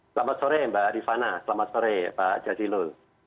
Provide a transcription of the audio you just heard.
selamat sore mbak rifana selamat sore pak jazilul